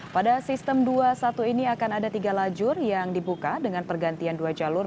pada sistem dua puluh satu ini akan ada tiga lajur yang dibuka dengan pergantian dua jalur